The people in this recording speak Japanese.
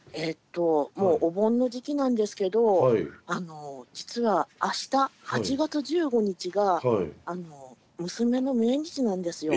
もうお盆の時期なんですけどあの実はあした８月１５日が娘の命日なんですよ。